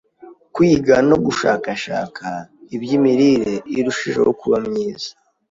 kwiga no gushakashaka iby’imirire irushijeho kuba myiza,